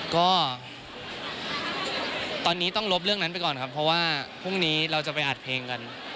ก็ตอนนี้ต้องลบเรื่องนั้นไปก่อนครับเพราะว่าพรุ่งนี้เราจะไปอัดเพลงกัน